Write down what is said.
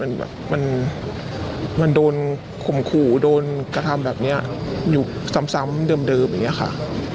มันแบบมันโดนข่มขู่โดนกระทำแบบนี้อยู่ซ้ำเดิมอย่างนี้ค่ะ